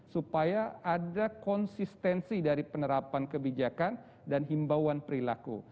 supaya ada konsistensi dari penerapan kebijakan dan himbauan perilaku